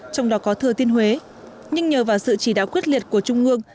trong đó có thừa thiên huế nhưng nhờ vào sự chỉ đạo quyết liệt của trung ương